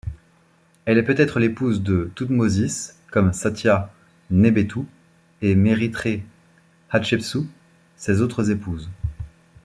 Elle est peut-être l'épouse de Thoutmôsis, comme Satiâh, Nébétou et Mérytrê-Hatchepsout, ses autres épouses.